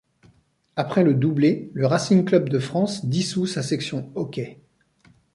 Après le doublé, le Racing Club de France, dissout sa section hockey.